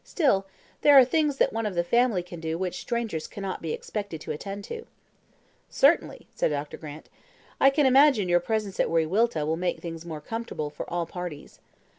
Still, there are things that one of the family can do which strangers cannot be expected to attend to." "Certainly," said Dr. Grant; "I can imagine your presence at Wiriwilta will make things more comfortable for all parties."